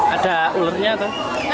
ada ulurnya apa